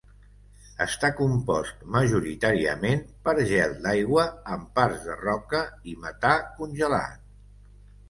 Està compost majoritàriament per gel d'aigua amb parts de roca i metà congelat.